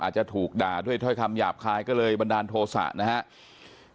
อาจจะถูกด่าด้วยถ้อยคำหยาบคายก็เลยบันดาลโทษะนะครับ